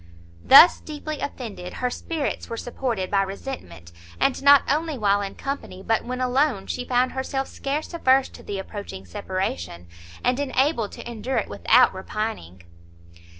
Thus, deeply offended, her spirits were supported by resentment, and not only while in company, but when alone, she found herself scarce averse to the approaching separation, and enabled to endure it without repining.